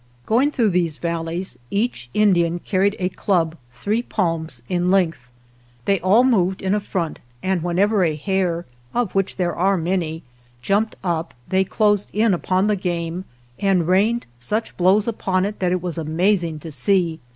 Going through these valleys each Indian carried a club three palms in length. They all moved in a front, and whenever a hare (of which there are many) jumped up they closed in upon the game, and rained such blows upon it that it was amazing to see.